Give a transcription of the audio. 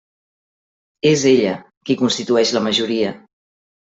És ella qui constitueix la majoria.